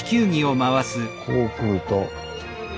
こうくると。